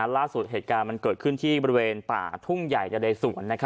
ล่าสุดเหตุการณ์มันเกิดขึ้นที่บริเวณป่าทุ่งใหญ่นะเรสวน